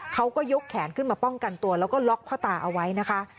เขาก็ยกแขนขึ้นมาป้องกันตัวแล้วก็ล็อกพ่อตาเอาไว้นะคะ